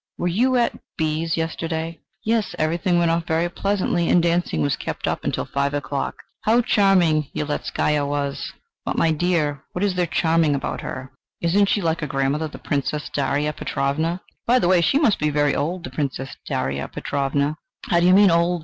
Were you at B 's yesterday?" "Yes; everything went off very pleasantly, and dancing was kept up until five o'clock. How charming Yeletzkaya was!" "But, my dear, what is there charming about her? Isn't she like her grandmother, the Princess Daria Petrovna? By the way, she must be very old, the Princess Daria Petrovna." "How do you mean, old?"